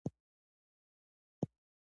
که پرکار وي نو دایره نه کږیږي.